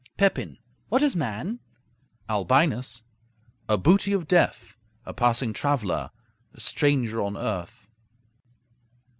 Pepin What is man? Albinus A booty of death; a passing traveler; a stranger on earth.